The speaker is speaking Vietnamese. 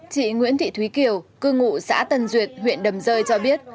chị nguyễn thị thúy kiều cư ngụ xã tân duyệt huyện đầm rơi cho biết